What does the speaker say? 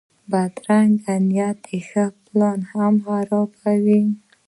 بدرنګه نیت ښه پلان هم خرابوي